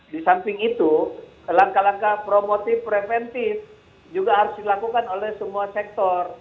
di samping itu langkah langkah promotif preventif juga harus dilakukan oleh semua sektor